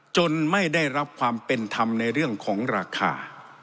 ไม่ได้รับความเป็นธรรมในเรื่องของราคา